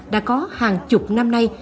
đã có hàng chục năm nay